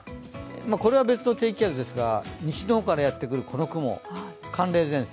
これは別の低気圧ですが、西の方からやってくるこの雲、寒冷前線。